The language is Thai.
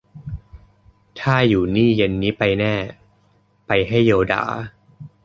ถ้าอยู่นี่เย็นนี้ไปแน่ ไปให้โยด่า